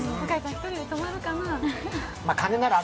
１人で泊まるかなあ。